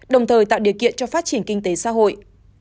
đồng thời tạo điều kiện cho phát triển kinh tế xã hội